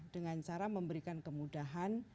dengan cara memberikan kemudahan